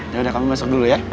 ya udah kami masuk dulu ya